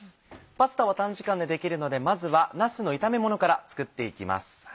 パスタは短時間でできるのでまずはなすの炒めものから作って行きます。